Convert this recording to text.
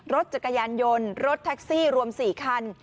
รถจักรยานยนต์รถแท็กซี่รวม๔คัน